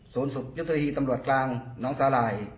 ศูนย์ศูนย์ยุติรีสำรวจกลางน้องสาหร่าย